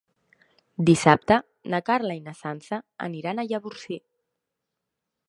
Dissabte na Carla i na Sança aniran a Llavorsí.